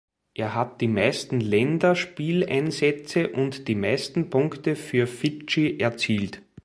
Er hat die meisten Länderspieleinsätze und die meisten Punkte für Fidschi erzielt.